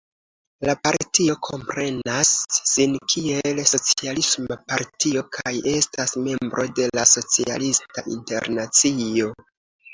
La partio komprenas sin kiel socialisma partio kaj estas membro de la Socialista Internacio.